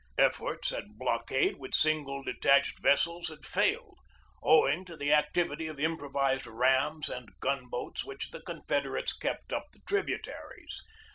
Efforts at blockade with single de tached vessels had failed, owing to the activity of improvised rams and gun boats which the Confed erates kept up the tributaries.